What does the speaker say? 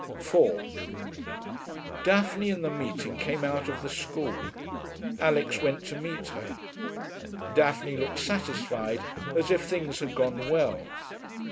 4 Daphne and the meeting came out of the school. Alix went to meet her. Daphne looked satisfied, as if things had gone well.